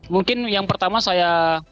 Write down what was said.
mungkin yang pertama saya